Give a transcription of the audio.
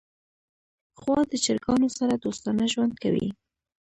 غوا د چرګانو سره دوستانه ژوند کوي.